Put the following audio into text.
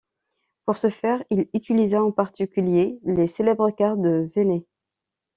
Pour ce faire, il utilisa en particulier les célèbres cartes de Zener.